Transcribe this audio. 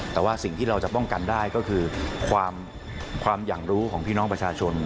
แต่ว่าสิ่งที่เราจะป้องกันได้ก็คือความอยากรู้ของพี่น้องประชาชน